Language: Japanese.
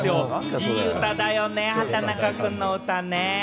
いい歌だよね、畠中くんの歌ね。